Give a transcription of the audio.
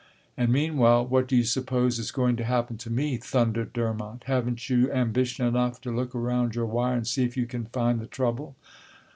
"And meanwhile, what do you suppose is going to happen to me?" thundered Durmont. "Haven't you ambition enough to look around your wire and see if you can find the trouble?"